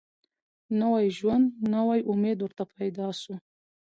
نوی ژوند نوی امید ورته پیدا سو